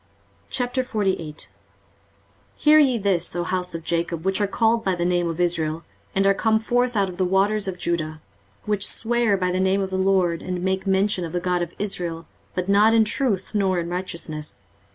23:048:001 Hear ye this, O house of Jacob, which are called by the name of Israel, and are come forth out of the waters of Judah, which swear by the name of the LORD, and make mention of the God of Israel, but not in truth, nor in righteousness.